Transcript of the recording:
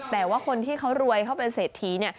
แต่ว่าคนที่เขารวยเขาเป็นเศรษฐีเนี่ย